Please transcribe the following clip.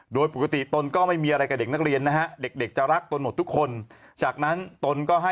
โดยปกติตนก็ไม่มีอะไรกับเด็กนักเรียนนะฮะ